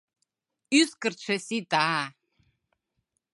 — Ӱскыртшӧ сита...